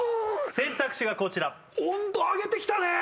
選択肢がこちら温度上げてきたねえ